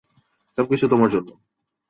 সবকিছু তোমার জন্য!